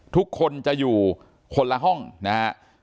ทุกคนจะอยู่คนละห้องนะครับ